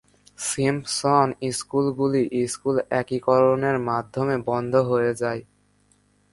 Simpson স্কুলগুলি school একীকরণের মাধ্যমে বন্ধ হয়ে যায়।